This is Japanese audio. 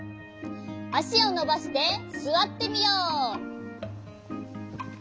あしをのばしてすわってみよう。